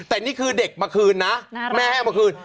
แต่นี่คือเด็กมาคืนนะแม่ให้เอามาคืน